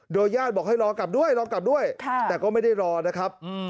โดยญาติบอกให้รอกลับด้วยรอกลับด้วยแต่ก็ไม่ได้รอนะครับ